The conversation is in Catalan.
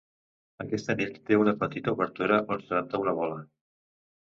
Aquest anell té una petita obertura on s'adapta una bola.